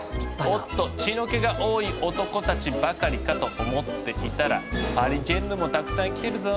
おっと血の気が多い男たちばかりかと思っていたらパリジェンヌもたくさん来てるぞ。